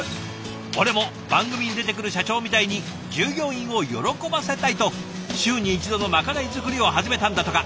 「俺も番組に出てくる社長みたいに従業員を喜ばせたい」と週に１度のまかない作りを始めたんだとか。